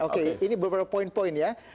oke ini beberapa poin poin ya